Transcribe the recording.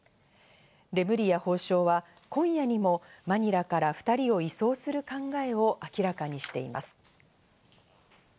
レムリヤ法相は今夜にもマニラから２人を移送する考えを明らかにしています。